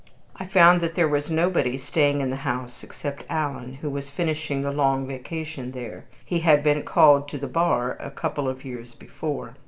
I found that there was nobody staying in the house except Alan, who was finishing the long vacation there: he had been called to the Bar a couple of years before.